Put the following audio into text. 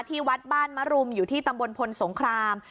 ที่วัดบ้านมรุมอยู่ที่ตำบลพลสงคราม